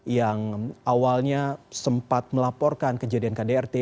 yang awalnya sempat melaporkan kejadian kdrt